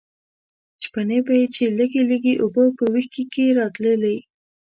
شپېنۍ به یې چې لږې لږې اوبه په وښکي کې راتلې.